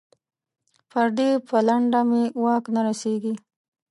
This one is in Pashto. پر دې پلنډه مې واک نه رسېږي.